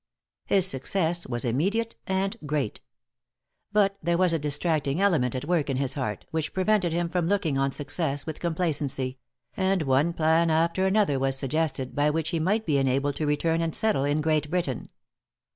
His success was immediate and great. But there was a distracting element at work in his heart, which prevented him from looking on success with complacency; and one plan after another was suggested, by which he might be enabled to return and settle in Great Britain.